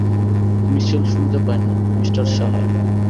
মিশেল শুনতে পায় না, মিস্টার সাহায়।